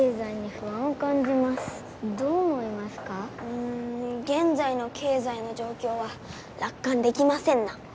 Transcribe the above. うーん現在の経済の状況は楽観出来ませんな。